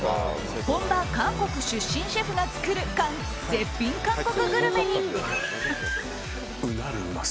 本場・韓国出身シェフが作る絶品韓国グルメに。